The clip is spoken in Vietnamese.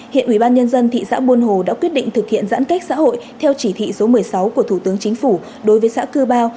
hiện ubnd thị xã buôn hồ đã quyết định thực hiện giãn cách xã hội theo chỉ thị số một mươi sáu của thủ tướng chính phủ đối với xã cư bao